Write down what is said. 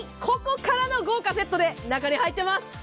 ここからが豪華セットで中に入ってます。